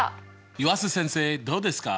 湯浅先生どうですか？